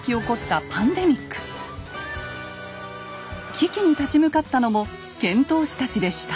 危機に立ち向かったのも遣唐使たちでした。